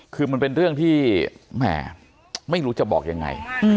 คือมันเป็นเรื่องที่แหมไม่รู้จะบอกยังไง